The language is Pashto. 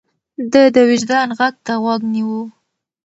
ده د وجدان غږ ته غوږ نيوه.